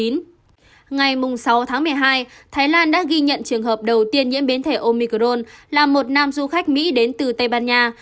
ngày sáu tháng một mươi hai thái lan đã ghi nhận trường hợp đầu tiên nhiễm biến thể omicron là một nam du khách mỹ đến từ tây ban nha